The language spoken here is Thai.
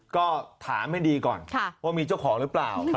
ก็ถามให้ดีก่อนว่ามีเจ้าของหรือเปล่า